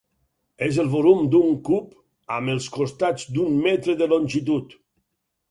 És el volum d'un cub amb els costats d'un metre de longitud.